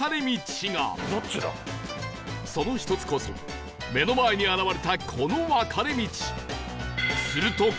その１つこそ目の前に現れたこの分かれ道